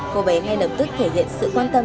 cô bé ngay lập tức thể hiện sự quan tâm